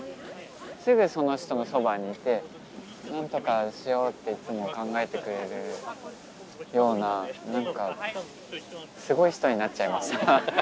すぐその人のそばにいてなんとかしようっていつも考えてくれるようななんかすごい人になっちゃいました。